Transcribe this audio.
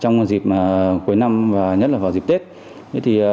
trong dịp cuối năm và nhất là vào dịp tết